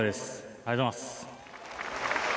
ありがとうございます。